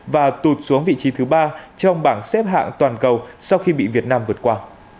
và tụt xuống vị trí thứ ba trong bảng xếp hạng toàn cầu sau khi bị việt nam vượt qua